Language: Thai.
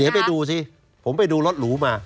เดี๋ยวไปดูสิผมไปดูรถหรูมา